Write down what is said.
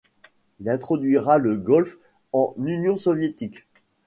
Il introduira le golf en Union soviétique.